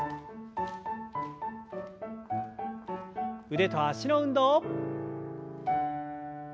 腕と脚の運動。